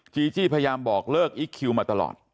จีจี้พยายามบอกเลิกอีคคิวมาตลอด